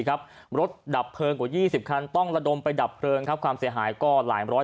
รถดับเพลิงกว่า๒๐คันต้องระดมไปดับเพลิงความเสียหายก็หลายร้อย